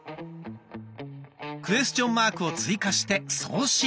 クエスチョンマークを追加して送信。